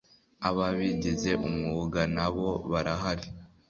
Ababigize umwuga nabo barahari